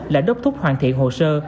là đốc thúc hoàn thiện hồ sơ